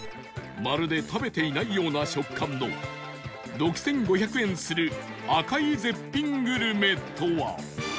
まるで食べていないような食感の６５００円する赤い絶品グルメとは？